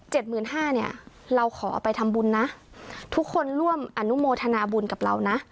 หมื่นห้าเนี่ยเราขอไปทำบุญนะทุกคนร่วมอนุโมทนาบุญกับเรานะ